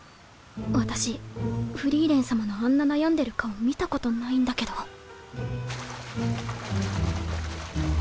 私フリーレン様のあんな悩んでる顔見たことないんだけどフフ。